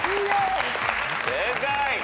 正解。